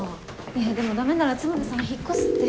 いやでもダメなら津村さん引っ越すって。